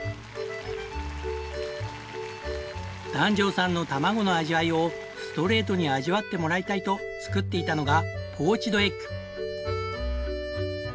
壇上さんのたまごの味わいをストレートに味わってもらいたいと作っていたのがポーチドエッグ。